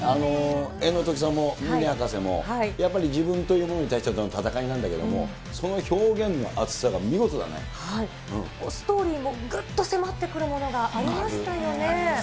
江野兎季さんも峰博士も、やっぱり自分というものに対しての戦いなんだけども、ストーリーもぐっと迫ってくありますね。